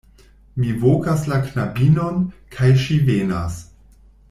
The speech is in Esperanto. Mi vokas la knabinon, kaj ŝi venas.